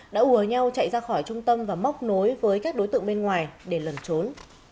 đã ùa nhau chạy ra khỏi trung tâm và móc nối với các đối tượng bên ngoài để lần trốn